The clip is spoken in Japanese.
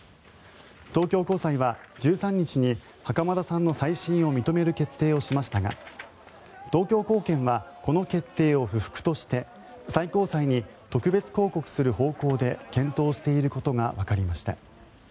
東京高裁は１３日に袴田さんの再審を認める決定をしましたが東京高検はこの決定を不服として最高裁に特別抗告する方向で検討していることがわかりました。